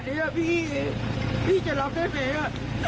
เวลาเขาเป็นมากเวลาเขาเมา